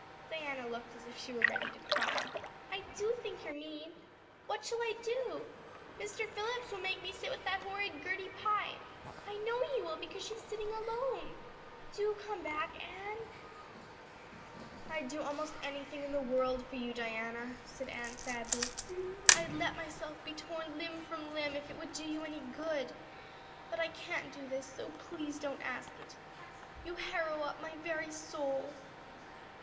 Diana looked as if she were ready to cry. "I do think you're mean. What shall I do? Mr. Phillips will make me sit with that horrid Gertie Pye I know he will because she is sitting alone. Do come back, Anne." "I'd do almost anything in the world for you, Diana," said Anne sadly. "I'd let myself be torn limb from limb if it would do you any good. But I can't do this, so please don't ask it. You harrow up my very soul."